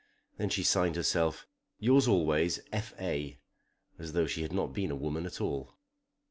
Then she signed herself "Yours always, F. A." as though she had not been a woman at all.